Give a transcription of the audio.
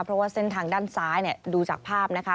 เพราะว่าเส้นทางด้านซ้ายดูจากภาพนะคะ